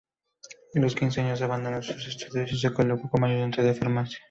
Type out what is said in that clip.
A los quince años abandonó sus estudios y se colocó como ayudante de farmacia.